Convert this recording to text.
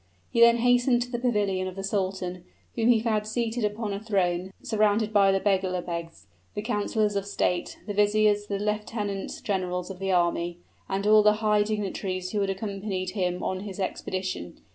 He then hastened to the pavilion of the sultan, whom he found seated upon a throne, surrounded by the beglerbegs, the councilors of state, the viziers, the lieutenant generals of the army, and all the high dignitaries who had accompanied him on his expedition.